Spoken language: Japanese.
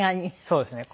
そうですね。